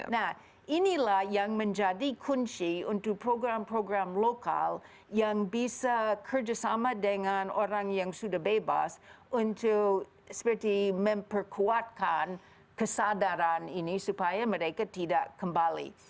nah inilah yang menjadi kunci untuk program program lokal yang bisa kerjasama dengan orang yang sudah bebas untuk seperti memperkuatkan kesadaran ini supaya mereka tidak kembali